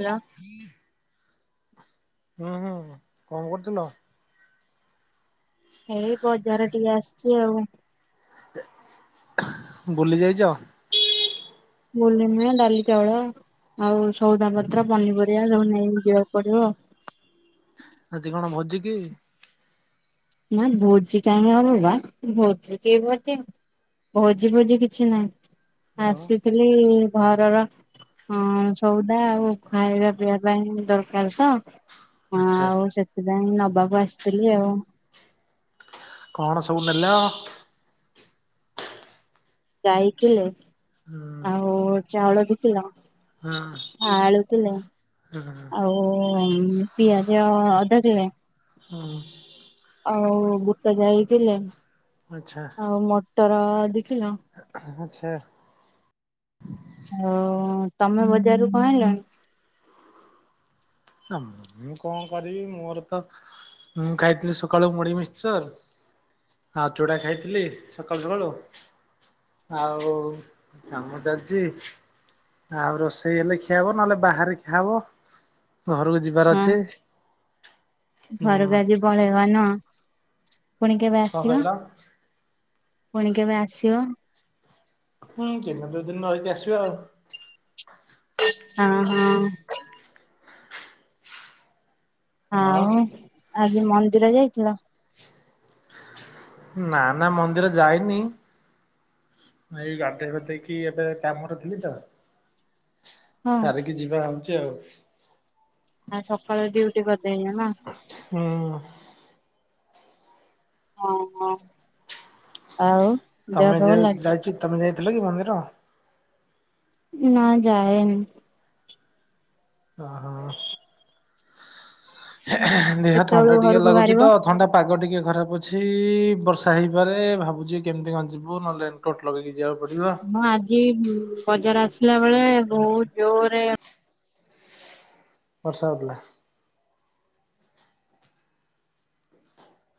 Hello ହୁଁ ହୁଁ। କଣ କରୁଥୁଲ? ଏଇ ବଜାର ଟିକେ ଆସଚି ଆଉ। ବୁଲି ଯାଇଚ? ବୁଲିନି ବା। ଡାଲି, ଚାଉଳ, ଆଉ ସଉଦା ପତ୍ର, ପନିପରି ରିବା ସବୁ ନେଇକି ଯିବାକୁ ପଡିବ ଆଉ। ଆଜି କଣ ଭୋଜି କି? ନା ଭୋଜିି କାଇଁ ହବ ବା, ଭୋଜି କି ଭୋଜି? ଭୋଜି ଫୋଜି କିଛି ନାହିଁ। ଆଉ ଆସିଥିଲି ଘରର ହଁ ଆଉ ସଉଦା ଆଉ ଖାଇବା ପିଇବା ପାଇଁ ଦରକାର ତ। ହଁ ଆଚ୍ଛା ଆଉ ସେଥିପାଇଁ ନବାକୁ ଆସିଥିଲି ଆଉ। କଣ ସବୁ ନେଲ? ଜାଇ କିଲେ ହୁଁ। ଆଉ ଚାଉଳ ଦି କିଲ, ହଁ ଆଳୁ କିଲେ ହଁ ଆଉ ଓ ଉମ୍ ପିଆଜ ଅଧ କିିଲେ ହୁଁ। ଆଉ ବୁଟ ଯାଇ କିଲେ। ଆଚ୍ଛା। ଆଉ ମଟର-ଦି କିଲ। ଆ ହା-ଆଛା। ଆଉ ତମେ ବଜାରରୁୁ କଣ ଆଇଁଲନି? ଆଁ ମୁ-କଣ କରିବି ମୋରତ ମୁଁ ଖାଇଥିଲି ସକାଳୁ ମୁଢି, ମିକ୍ସର୍। ଆଉ ଚୁଡ଼ା ଖାଇଥିଲି ସକାଳୁ ସକାଳୁ। ଆଉ କାମ ଚାଲିଛି? ଆଉ ରୋଷେଇ ହେଲେ ଖିଆହବ ନହେଲେ, ବାହାରେ ଖିଆହବ ଘରକୁ ଯିବାର ହଁ ଅଛି। ଘରକୁ ହୁଁ ଆଜି ପଳେଇବ ନୁଁଅ, ପୁଣି କେବେ କଣ ଆସିବ? କହିଲ ପୁଣି କେବେ ଆସିବ? ହୁଁ ଦିନେ, ଦୁଇ ଦିନ ରହିକି ଆସିବା ଆଉ। ଅଁ ହଁ ଆଉ, ଆଜି ମନ୍ଦିର ଯାଇଥିଲ? ନା-ନା ମନ୍ଦିର ଯାଇନି ଏଇ ଗାଧେଇ ଫାଧେଇକି ଏବେ କାମରେ ଥିଲି ତ। ହଁ ସାରିକି ଯିବା ଭାବୁଚି ଆଉ। ଆଜି ସଖାଳ ଡ୍ୟୁଟି କରିଦେଇଚ, ନାଁ? ହୁଁ-ଉଁ। ଅଁ ହଁ ଆଉ? ଦେହ ତମେ ପା ଯେ ଭଲ ଅଛି? ଯାଇଚୁ ତମେ ଯାଇଥିଲ କି ମନ୍ଦିର? ନାଁ ଯାଏନି। ଅ ହଁ। ଏହେଁ ଦେହ ଥଣ୍ଡା କେତେବେଳକୁ ଟିକେ ଘରକୁ ଲାଗୁଚି ବାହାରିବ? ତ ଥଣ୍ଡା ପାଗ ଟିକେ ଖରାପ ଅଛି-ଇ ବର୍ଷା ହେଇପାରେ ଭାବୁଚି କେମିତି କଁ ଯିବୁ ନଏଲେ ରେନ୍କୋଟ ଲଗେଇକି ଯିବାକୁ ପଡିବ। ହଁ ଆଜି ବଜାର ଆସିଲା ବେଳେ ବୋହୁତ୍ ଜୋରେ ବର୍ଷା ହୋଉଥୁଲା।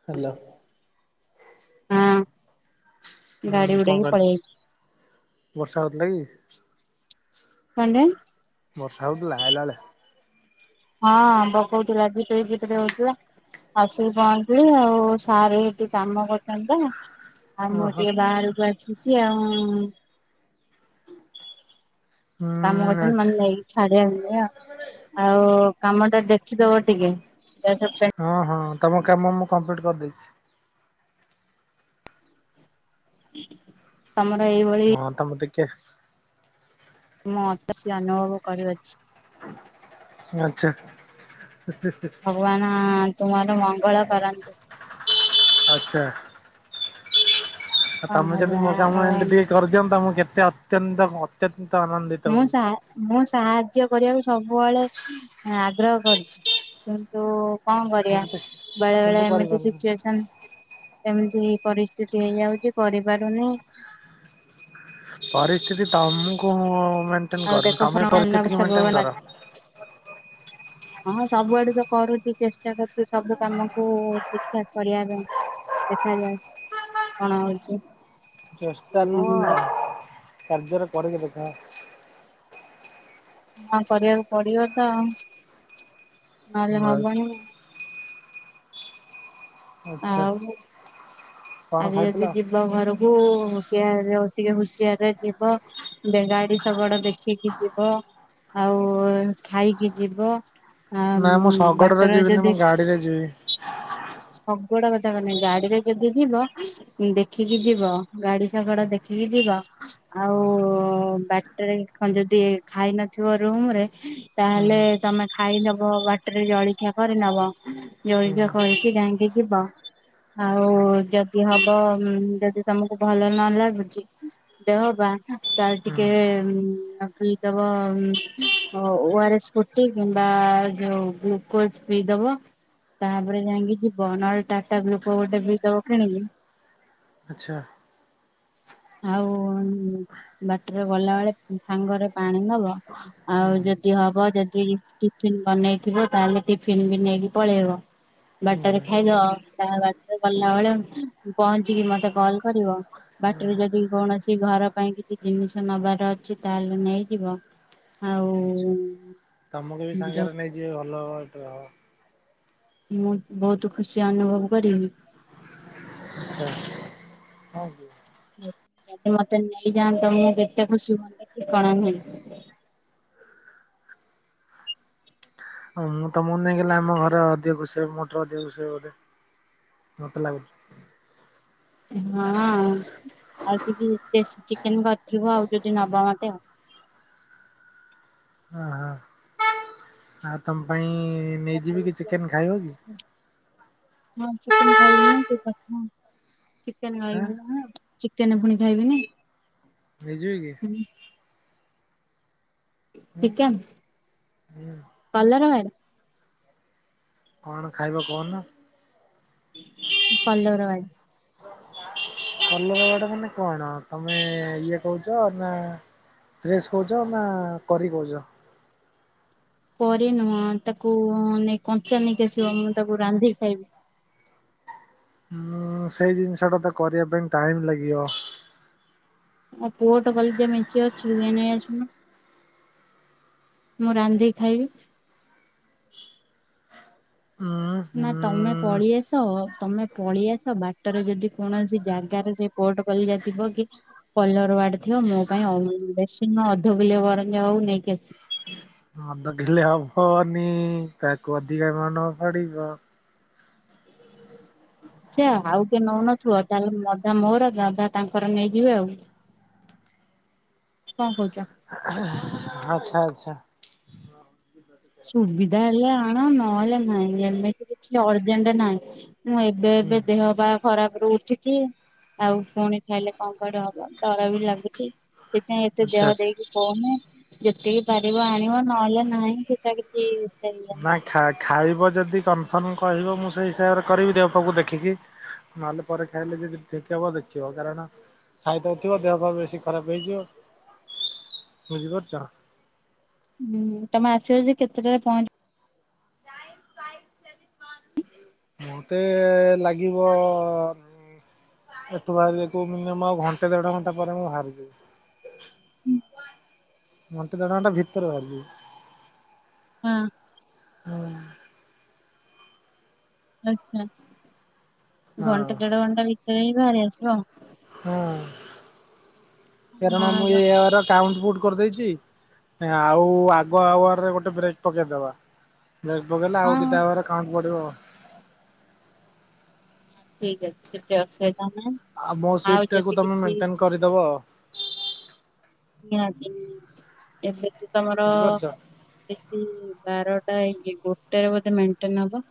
ହାଲୋ। ହଁ ଗାଡ଼ି ହୁଁ କଣ ଉଡେଇକି କହିଲ ପଳିଆଇଚି। ବର୍ଷା ହୋଉଥିଲା କି? କଣ୍ଡେ। ବର୍ଷା ହଉଥିଲା ଆଇଲାଳେ? ହଁ ପକଉଥିଲା ଝିପିରି-ଝିପିରି ହଉଥିଲା। ଆସିକି ପହଞ୍ଚିଲି ଆଉ-ଉ ସାର ହେଟି କାମ କରୁଚନ୍ତି। ଆଉ ମୁଁ ଓହୋ ଟିଏ ବାହାରୁକୁ ଆସିଚି ଆଉ-ଉଁ। କାମ ହୁଁ କର୍ଚନ୍ତି ଆଚ୍ଛା ମାନେ ନେଇ ଛାଡି ଆଇଲି ଆଉ ଆଉ-ଉ କାମ ଟା ଦେଖିଦବ ଟିକେ ଦେଖେ ପେ ହଁ ହଁ ତମ କାମ ମୁଁ କମ୍ପ୍ଲିଟ୍ କରିଦେଚି। ତମର ଏଇବଳି ହଁ ତ ମୁ ଟିକେ ମୋତ ସିଏ ଅନୁଭବ କରିଅଛି। ଆଚ୍ଛା ହେ ହେ ହେ ଭଗବାନ ତୁମର ମଙ୍ଗଳ କରନ୍ତି। ଆଚ୍ଛା। ଆ କଣ ତମେ ଯଦି ମୋ କରିବା କାମ ଆଉ ଏମିତି ଟିକେ କରିଦିଅନ୍ତ ମୁଁ କେତେ ଅତ୍ୟନ୍ତ ମୁ ଅତ୍ୟତ ଆନନ୍ଦିତ ମୁଁ ହୁଅ ସା ମୁଁ ସାହାଯ୍ୟ କରିଆକୁ ସବୁଅଳେ ଏଁ-ଆଗ୍ରହ କରୁଛି, କିନ୍ତୁ-ଉ କଁ କରିଆ ହୁଅନ୍ତି। କିନ୍ତୁ ବେଳେ ବେଳେ କିନ୍ତୁ ଏମିତି କରିପାରୁନି। ସିଚୁଏସନ୍ ଏମିତି ପରିସ୍ଥିତି ହେଇଯାଉଚି କରିପାରୁନି। ପରିସ୍ଥିତି ତମୁକୁ ମୁଁ ମେଣ୍ଟେନ ଆଉ କର୍ ଦେଖ ତମେ ଶୁଣ ହେଲା ପରିସ୍ଥିତିକି ବୈଶାଖ ମେଣ୍ଟେନ କର। ହଁ ସବୁଆଡୁ ତ କରୁଚି ଚେଷ୍ଟା କରୁଚୁ ସବୁ କାମକୁ-ଉ ଠିକ୍ ଠାକ୍ କରିଆ ପାଇଁ। ଦେଖାଯାଉ, କଣ ହଉଚି? ଚେଷ୍ଟା ନୁଅଁ-ଅ କାର୍ଯ୍ୟରେ କରିକି ଦେଖାଅ। ହଁ କରିଆକୁ ପଡିବ ତ ଆଉ। ନହେଲେ ବାସ୍ ହବନି। ଆଚ୍ଛା ଆଉ କଣ ଆଜି ଖାଇଥିଲ? ଯଦି ଯିବ୍ ବ ଘରକୁ-ଉ କେୟାରରେ ଟିକେ ହୁସିିଆରରେ ଯିବ ଡେଙ୍ଗାଡି ଶଗଡ ଦେଖିକି ଯିବ। ଆଉ ଉ ଖାଇକି ଯିବ। ଆ ନାଁ ମୁଁ ଶଗଡ଼ରେ ବାଟରେ ଯିବିନି, ମୁଁ ଯଦି ଗାଡିରେ ଯିବି। ଶଗଡ କଥା କହୁନି, ଗାଡିରେ ଯେଦି ଯିବ ଦେଖିକି ଯିବ, ଗାଡି ଶଗଡ ଦେଖିକି ଯିବ ଆଉ ଉମ୍ ବାଟରେ କଁ ଯଦି ଖାଇ ନଥିବ ରୁମରେ ହୁଁ ତାହେଲେ ଏ ତମେ ଖାଇ ନବ ବାଟରେ ଜଳିଖିଆ କରିନବ। ହୁଁ ଜଳିଖିଆ କରି ରିକି ଯାଇଁକି ଯିବ ଆଉ ଆଚ୍ଛା ଯଦି ହବ ଉମ୍ ଯଦି ତମକୁ ଭଲ ନ ଲାଗୁଚି ଦେହ ପା ତାହେଲେ ଟିକେ ହୁଁ ଉମ୍ ନକିଲ ଦବ-ଅ-ଉମ୍ ଓ ଆର ଏସ୍ ଫୁଟି କିମ୍ବା ଯୋଉ ଗ୍ଲୁକୋଜ ପିଇଦବ। ତାପରେ ଯାଇଁକି ଯିବ, ନହେଲେ ଟାଟା ଗ୍ଲୁକୋ ଗୋଟେ ପିଇଦେବ କିଣିକି। ଆଚ୍ଛା। ଆଉ ବାଟରେ ଗଲାବେଳେ ସାଙ୍ଗରେ ପାଣି ନବ ହୁଁ ଆଉ ଯଦି ହବ ଯଦି ଟିଫିନ ବନେଇଥିବ, ତାହେଲେ ଟିଫିନ ବି ନେଇକି ପଳେଇବ। ହୁଁ ହୁଁ ବାଟରେ ହୁଁ ଖାଇଦବ, ତାହା ବାଟରେ ଗଲା ବେଳେ ପହଞ୍ଚିକି ମତେ କଲ କରିବ। ବାଟରେ ଯଦି କୌଣସି ଘର ପାଇଁ କିଛି ଜିନିଷ ନବାର ଅଛି ତାହେଲେ ନେଇଯିବ। ଆଉ ଆଚ୍ଛା, ତମକୁ ବି ଯୋଉ ସାଙ୍ଗରେ ନେଇଯିବି ଭଲ ହେବ ଆଉ। ମୁଁ ବହୁତ ଖୁସି ଅନୁଭବ କରିବି ଆଚ୍ଛା। [inaudible] ଯଦି ମତେ ନେଇଯାଆନ୍ତ, ମୁଁ କେତେ ଖୁସି ହୁଅନ୍ତି ଠିକଣା ନାହିଁ। ହଁ ମୁଁ ତମକୁ ନେଇଗଲେ ଆମ ଘରେ ଅଧିକ ଖୁସୀ ହେବେ, ମୋ ଠାରୁ ଅଧିକ ଖୁସୀ ହେବେ ବୋଧେ ମତେ ଲାଗୁଛି। ହଁ ଆଉ ଟିକେ ବେଷ୍ଟ ଚିକେନ କରିଥିବ ଆଉ ଯଦି ନବ ମତେ ଆଉ। ଓହୋ। ଆଉ ତମ ପାଇଁ ନେଇଯିବି କି ଚିକେନ ଖାଇବ କି? ହଁ ଚିକେନ ଖାଇବି ମୁଁ କି କଥା। ଚିକେନ ଆଁ ଖାଇବି ନାଁ ଚିକେନ ଫୁଣି ଖାଇବିନି। ନେଇଯିବି କି? ଉଁ ଚିକେନ୍, ହୁଁ। କଲରବାର୍ଡ? କଣ ଖାଇବ କହୁନ? Colour bird. କଲର୍ ବାର୍ଡ ମାନେ କଣ? ତମେ ଇଏ କହୁଛ ନା ଫ୍ରେସ୍ କହୁଛ ନା କରି କହୁଛ? ପରି ନୁହଁ ତାକୁ ନେଇ କଞ୍ଚା ନେଇକି ଆସିବ ମୁଁ ତାକୁ ରାନ୍ଧିକି ଖାଇବି। ହଁ ସେଇ ଜିନିଷଟା ତ କରିବା ପାଇଁ ଟାଇମ୍ ଲାଗିବ। ମୁଁ ପୋଟ କଲିଜା ମେଞ୍ଚେ ଅଛି ଯାଇ ନେଇ ଆସୁନୁ। ମୁଁ ରାନ୍ଧିକି ଖାଇବି। ହଁ। ନା ତମେ ପଳେଇ ଆସ, ତମେ ପଳେଇ ଆସ, ବାଟରେ ଯଦି କୌଣସି ଜାଗାରେ ସେ ପୋଟ କଲିଜା ଥିବ କି କଲରୱାର୍ଡ ଥିବ ମୋ ପାଇଁ ଅ ବେଶୀ ନୁହଁ ଅଧ କିଲୋ ବରଞ୍ଜ ହଉ ନେଇକି ଆସି ଅଧ କିଲେ ହବନି ତାକୁ ଅଧିକା ମନ ପଡିବ। ଚା ଆଉ କିଏ ନଉନଥିବ ତାହେଲେ ମଧା ମୋର ଦାଦା ତାଙ୍କର ନେଇଯିବେ ଆଉ। କଣ କହୁଛ? ଆଚ୍ଛା ଆଚ୍ଛା। [unintelligible] ସୁବିଧା ହେଲେ ଆଣ ନହେଲେ ନାଇଁ ଏମିତି କିଛି ଅର୍ଜେଣ୍ଟ ନାଇଁ ମୁ ଏ ବେ ହୁଁ ଏବେ ଦେହବା ଖରାପ ରହୁଚିଟି ଆଉ ପୁଣି ଖାଇଲେ କଣ କୁଆଡ଼େ ହବ ଡରବି ଲାଗୁଛି। ସେଥିପାଇଁ ଏତେ ଆଚ୍ଛା ଦେହ ଆଚ୍ଛା। ଦେଇକି କହୁନି ଯେତିକି ପାରିବ ଆଣିବ ନହେଲେ ନାହିଁ। ଟା କିଛି ଏତେ ଇଏ ନା ନାହିଁ। ଖା ଖାଇବ ଯଦି କନଫର୍ମ କହିବ ମୁଁ ସେଇ ହିସାବରେ କରିବି ଦେହପାକୁ ଦେଖିକି। ନହେଲେ ପରେ ଖାଇଲେ ଯଦି ଠିକ୍ ହେବ ଦେଖିବ କାରଣ ଖାଇଦଉଥିବ ଦେହପା ବେଶୀ ଖରାପ ହେଇଯିବ, ବୁଝିପାରୁଛ? ଉଁ ତମେ ଆସିବଜି କେତେଟାରେ ପହଞ୍ଚ ମତେ ଲାଗିବ ଏଠୁ ବାହାରିବାକୁ ମିନିଅମ ଆଉ ଘଣ୍ଟେ ଦେଢ଼ ଘଣ୍ଟା ପରେ ମୁଁ ହାରିଯିବି। ଘଣ୍ଟେ ଦେଢ଼ ଘଣ୍ଟା ଭିତରେ ବାହାରିଯିବି। ହଁ। ହୁଁ। ଆଛା ଘଣ୍ଟେ ଦେଢ଼ ଘଣ୍ଟା ଭିତରେ ହିଁ ବାହାରି ଆସିବ। ହଁ ଏରଣ ମୁ ହଁ ଇଅର କାଉଣ୍ଟ ବୁଟ୍ କରିଦେଇଛି ଆଉ ଆଗ ଆୱାରରେ ଗୋଟେ ବ୍ରେକ୍ ପକେଇଦବା। ବ୍ରେକ ପକେଇଲେ ଆଉ ହଁ ଦିଟା ଆୱାରର କାଉଣ୍ଟ ବଡ଼ିବ। ଠିକ୍ ଅଛି କିଛି ଅସୁବିଧା ନାହିଁ। ଆଉ ମୋ ସିଟ ଟାକୁ ତମେ ମେଣ୍ଟେନ କରିଦବ। [unintelligible] ଏବେଠୁ ତମର ବୁଝିପାରୁଛ। ସିପି ବାରଟା ହେଇଚି ଗୋଟେରେ ବୋଧେ ମେଣ୍ଟେନ ହବ।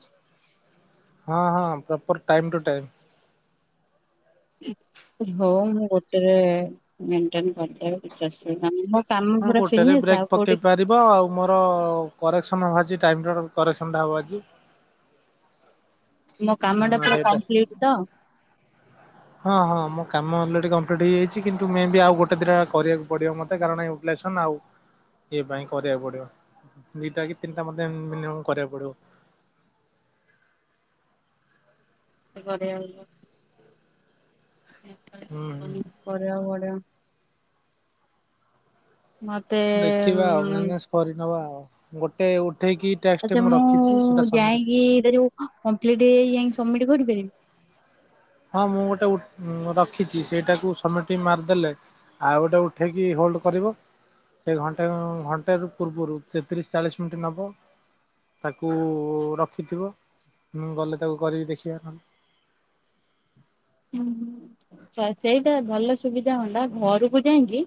ହଁ ହଁ ପ୍ରପର ଟାଇମ ଟୁ ଟାଇମ୍। ହଉ ମୁଁ ଗୋଟେରେ ମେଣ୍ଟେନ କରିଦେବି କିଛି ଅସୁବିଧା ନାହିଁ। କାମ ପୁରା ଛିନେଇଚ ଆଉ କୋଉଠି ରିବ ଆଉ ମୋର କରେକ୍ସନ୍ ହବା ଆଛି ଟାଇମ୍ ଟ କରେକ୍ସନ୍ଟା ହବ ଆଜି। ମୋ କାମଟା ପୁରା କମ୍ପ୍ଲିଟ ତ? ହ [unintelligible] ହଁ ହଁ ମୋ କାମ ଅଲରେଡ଼ି କମ୍ପ୍ଲିଟ୍ ହେଇଯାଇଛି କିନ୍ତୁ ମେ ବି ଆଉ ଗୋଟେ ଦିଟା କରିବାକୁ ପଡ଼ିବ ମତେ କାରଣ ଏ ଲେସନ୍ ଆଉ ଇଏ ପାଇଁ କରିବାକୁ ପଡ଼ିବ। ଦିଟା କି ତିନିଟା ମତେ ମିନିମମ୍ କରିବାକୁ ପଡ଼ିବ। [unintelligible] ହୁଁ ହୁଁ କରିବାକୁ ପଡ଼ିବ ମତେ ଦେଖିବା ଆଉ ଉଁ ମ୍ୟାନେଜ କରିନବା ଆଉ ଗୋଟେ ଉଠେଇକି ଟ୍ୟାକ୍ସଟେ ଆଚ୍ଛା ମୁଁ ରଖିଛି ସେଟା ସବମିଟ ଯାଇଙ୍କି ଏଇଟା ଯୋଉ କମ୍ପ୍ଲିଟ ହେଇ ଯାଇକି ସବମିଟ୍ କରିପାରିବି? ହଁ ମୁଁ ଗୋଟେ ଉ ରଖିଛି ସେଇଟାକୁ ସବମିଟି ମାରିଦେଲେ ଆଉ ଗୋଟେ ଉଠେଇକି ହୋଲ୍ଡ କରିବ। ସେଇ ଘଣ୍ଟେ ଉଁ ଘଣ୍ଟେରୁ ପୂର୍ବରୁ ଚେ ତିରିଶ ଚାଳିଶ ମିଣ୍ଟି ନବ। ତାକୁ ରଖିଥିବ ମୁଁ ଗଲେ ତାକୁ କରିକି ଦେଖିଆ ନହେନେ। [unintelligible] ସ ସେଇଟା ଭଲ ସୁବିଧା ହୁଅନ୍ତା ଘରକୁ ଯାଇଙ୍କି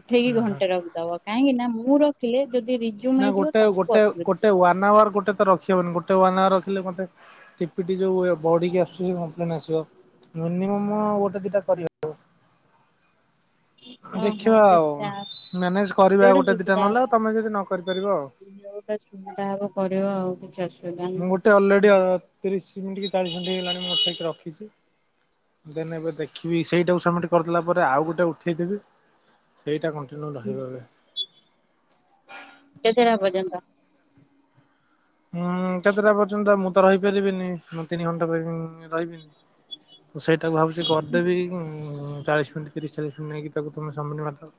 ଉଠେଇକି ଓହୋ। ଘଣ୍ଟେ ର ଦବ କାହିଁକିନା ମୁଁ ରଖିଲେ ଯଦି ରି ନା ଗୋଟେ ଗୋଟେ ଗୋଟେ ୱାନ୍ ଆୱାର ଗୋଟେ ତ ରଖି ହବନି ଗୋଟେ ୱାନ୍ ଆୱାର ରଖିଲେ ମତେ ଟିପିଟି ଯୋଉ ବଢ଼ିକି ଆସୁଛି କପ୍ଲେନ ଆସିବ ମିନିମମ୍ ଗୋଟେ ଦିଟା କରିହ ଓହୋ ଦେଖିବା ଆଉ। ଦେଖିଆ। ମ୍ୟାନେଜ କରିବା ଆଉ ଗୋଟେ ଦିଟା ନହେଲେ ଆଉ ତମେ ଯଦି ନ କରିପାରିବ ଆଉ। ହ ତା ହବ କରିବ ଆଉ କିଛି ଆସୁ ମୁଁ ଗୋଟେ ଅଲରେଡ଼ି ତିରିଶ ମିନିଟ୍ କି ଚାଳିଶ ମିଣ୍ଟି ହେଇଗଲାଣି ମୁଁ ଅଟକେଇକି ରଖିଛି ଦେ ଏବେ ଦେଖିବି ସେଇଟାକୁ ସବମିଟ କରିଦଲା ପରେ ଆଉ ଗୋଟେ ଉଠେଇଦେବି ସେଇଟା କଣ୍ଟିନ୍ୟିୁ ହୁଁ ରହିବ ଏବେ କେତେଟା ପର୍ଯ୍ୟନ୍ତ। ହୁଁ କେତେଟା ପର୍ଯ୍ୟନ୍ତ ମୁଁ ତ ରହିପାରିବିନି ମୁଁ ତିନି ଘଣ୍ଟା ରହିବିନି ତ ସେଇଟାକୁ ଭାବୁଛି କରିଦେବି ଚାଳିଶ ମିନିଟ୍ ତିରିଶ ଚାଳିଶ ମିନିଟ୍ ନେଇକି ତାକୁ ତମେ ସବ୍ ମିଟ୍ ମାରି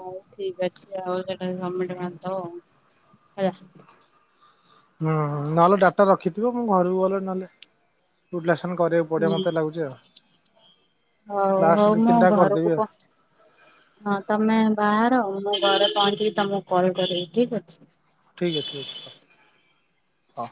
ହଉ ଠିକ ଅଛି ଆଉ ସେଟା ସବ୍-ମିଟ୍ ମାରିଦବ ଆଉ ହେଲା ହୁଁ ନହେଲେ ଡାଟା ରଖିଥିବ ମୁଁ ଘରକୁ ଗଲେ ନହେଲେ ପୋ କରିଆ ହୁଁ ହଉ ଲାଷ୍ଟ ହଉ ଦି ମୁଁ ତିନିଟା କରିଦେବି ଆଉ ଘରକୁ ହଁ ତମେ ବାହାର ମୁଁ ଘରେ ପହଞ୍ଚିକି ତମକୁ କଲ୍ କରିବି ଠିକ ଅଛି ଠିକ୍ ଅ ଠିକ ଅଛି ହଉ।